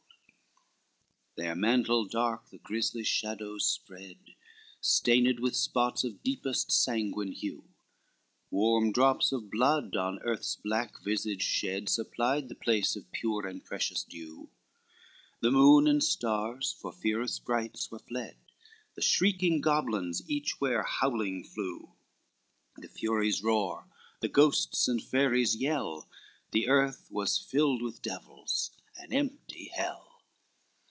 XV Their mantle dark, the grisly shadows spread, Stained with spots of deepest sanguine hue, Warm drops of blood, on earth's black visage shed, Supplied the place of pure and precious dew, The moon and stars for fear of sprites were fled, The shrieking goblins eachwhere howling flew, The furies roar, the ghosts and fairies yell, The earth was filled with devils, and empty hell.